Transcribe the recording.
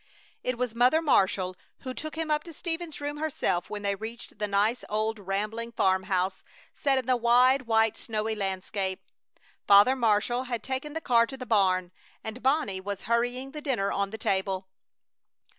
It was Mother Marshall who took him up to Stephen's room herself when they reached the nice old rambling farm house set in the wide, white, snowy landscape. Father Marshall had taken the car to the barn, and Bonnie was hurrying the dinner on the table.